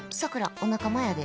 お仲間やで。